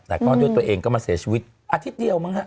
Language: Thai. แต่ก็ด้วยตัวเองก็มาเสียชีวิตอาทิตย์เดียวมั้งฮะ